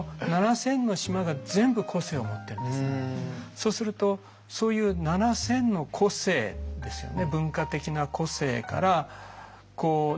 そうするとそういう７，０００の個性ですよね。